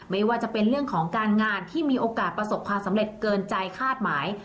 ไม่ว่าจะเป็นเรื่องของการงานที่มีโอกาสประสบความสำเร็จเกินใจคาดหมาย